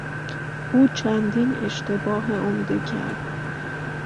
او چندین اشتباه عمده کرد.